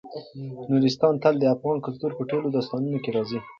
نورستان تل د افغان کلتور په ټولو داستانونو کې راځي.